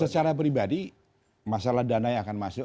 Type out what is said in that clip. secara pribadi masalah dana yang akan masuk